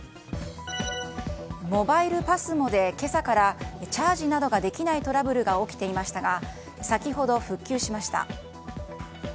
モバイルＰＡＳＭＯで今朝からチャージなどができないトラブルが起きていましたが先ほど復旧しました。